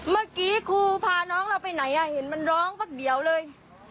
เมื่อกี้ครูพาน้องเราไปไหนเห็นมันร้องพักเดียวเลย